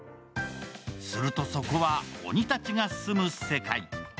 すると、そこは鬼たちが住む世界。